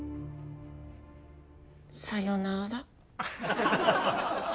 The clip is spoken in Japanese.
さよなら。